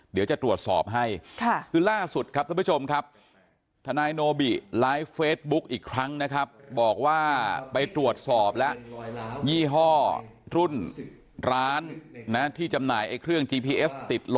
เพื่ออะไรเพื่อให้ความเป็นธรรมกับทุกฝ่ายนะครับ